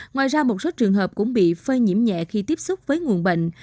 ngoài ra một số trường hợp cũng bị phơi nhiễm nhẹ khi tiếp xúc với nguồn bệnh